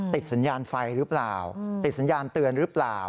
ติดสัญญาณไฟหรือเปล่าติดสัญญาณเตือนหรือเปล่า